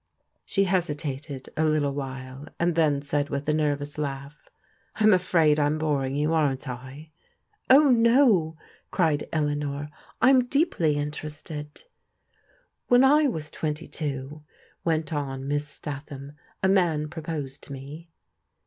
She hesitated a little while, and then said with a nerv ous laugh :" I'm afraid I am boring you, aren't I ?"" Oh, no !" cried Eleanor. " I am deeply interested." "When I was twenty two," went on Miss Statham, " a man proposed to me."